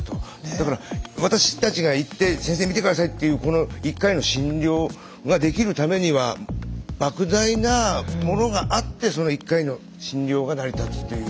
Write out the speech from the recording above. だから私たちが行って「先生診て下さい」っていうこの１回の診療ができるためにはばく大なものがあってその１回の診療が成り立つという。